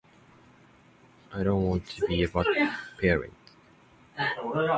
I don't want to be a bad parent.